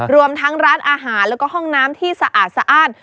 รวมทั้งร้านอาหารแล้วก็ห้องน้ำที่สะอาดสะอ้าน